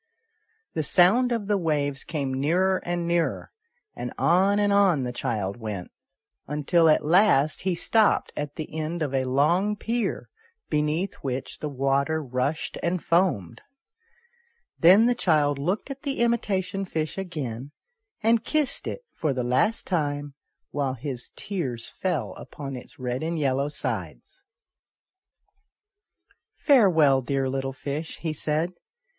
The sound of the waves came nearer and nearer, and on and on the child went, until at last he stopped at the end of a long pier, beneath which the water rushed and foamed. Then the child looked at the imitation fish again, and kissed it for the last time, while his tears fell upon its red and yellow sides. " Farewell, dear little fish," he said.